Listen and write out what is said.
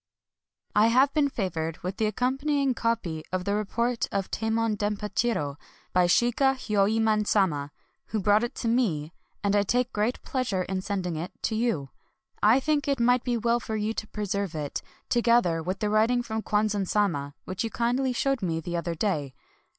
I have been favored with the accompanying copy of the report of Tamon Dempachiro by Shiga Hyoemon Sama, who brought it to me ; and I take great pleasure in sending it to you. I think that it might be well for you to pre serve it, together with the writing from Kwan zan Sama, which you kindly showed me the other day.